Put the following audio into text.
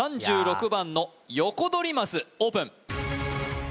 ３６番のヨコドリマスオープン